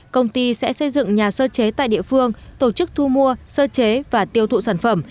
công ty sẽ xây dựng nhà sơ chế tại địa phương tổ chức thu mua sơ chế và tiêu thụ sản phẩm